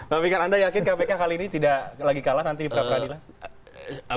pak fikar anda yakin kpk kali ini tidak lagi kalah nanti di pra peradilan